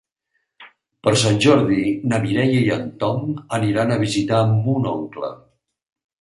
Per Sant Jordi na Mireia i en Tom aniran a visitar mon oncle.